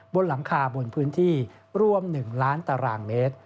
บนหลังคาบนพื้นที่รวม๑ล้านตารางเมตร